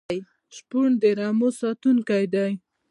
شپون د رمو ساتونکی دی.